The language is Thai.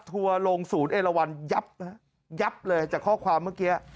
ทัวร์ลงศูนย์เอลวันยับยับเลยจากข้อความเมื่อกี้